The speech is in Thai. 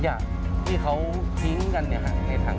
ขยะที่เขาทิ้งระหน่อยในถัง